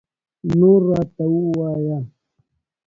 نور راته ووایه